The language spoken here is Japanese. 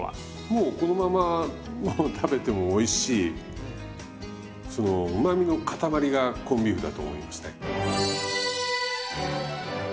もうこのままもう食べてもおいしいそのうまみのかたまりがコンビーフだと思いますね。